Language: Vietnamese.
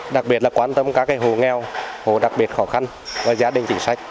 đặc biệt là quan tâm các hồ nghèo hộ đặc biệt khó khăn và gia đình chính sách